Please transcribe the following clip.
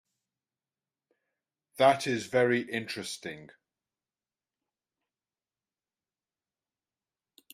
That is very interesting.